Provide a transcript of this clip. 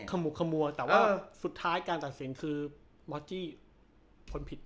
ขมุกขมัวแต่ว่าสุดท้ายการตัดสินคือมอสจี้ทนผิด